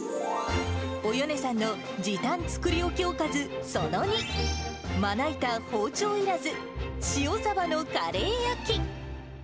およねさんの時短作り置きおかずその２、まな板、包丁いらず、塩サバのカレー焼き。